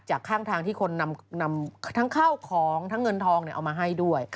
ข้างทางที่คนนำทั้งข้าวของทั้งเงินทองเอามาให้ด้วย